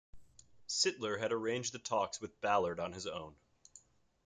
Sittler had arranged the talks with Ballard on his own.